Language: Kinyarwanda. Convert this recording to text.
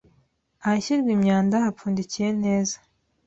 Ahashyirwa imyanda hapfundikiye neza